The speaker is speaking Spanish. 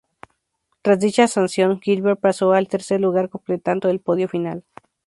Tras dicha sanción Gilbert pasó al tercer lugar completando el podio final.